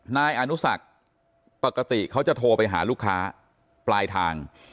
นายอนุสักปกติเขาจะโทรไปหาลูกค้าปลายทาง